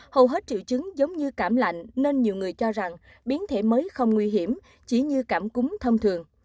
hầu hết triệu chứng giống như cảm lạnh nên nhiều người cho rằng biến thể mới không nguy hiểm chỉ như cảm cúm thông thường